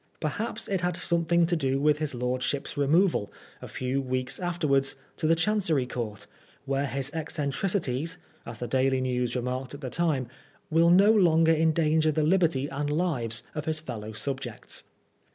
Perhaps it had something to do with his lordship's removal, a few weeks afterwards, to the Chancery Court, where his eccentricities, as the Daily News remarked at the time, will no longer endanger the liberty and lives of hia fellow subjects.